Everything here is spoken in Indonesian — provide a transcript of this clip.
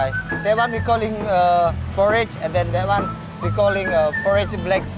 itu yang kita panggil bubur dan itu yang kita panggil bubur kacang hijau